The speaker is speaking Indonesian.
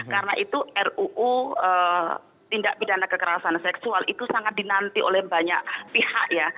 karena itu ruu tindak pindahan kekerasan seksual itu sangat dinanti oleh banyak pihak ya